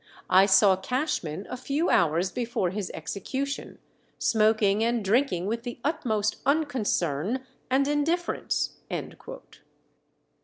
I saw Cashman a few hours before his execution, smoking and drinking with the utmost unconcern and indifference."